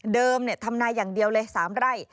ทำนายอย่างเดียวเลย๓ไร่